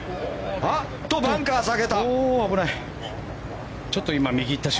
あっと、バンカーを避けた！